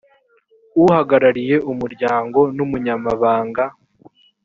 uhagarariye umuryango n umunyamabanga